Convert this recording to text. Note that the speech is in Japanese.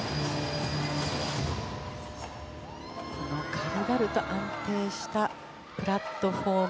軽々と安定したプラットフォーム。